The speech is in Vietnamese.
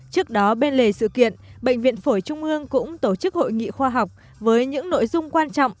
trước đó bên lề sự kiện bệnh viện phổi trung ương cũng tổ chức hội nghị khoa học với những nội dung quan trọng